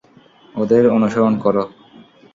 ওদের অনুসরণ করো।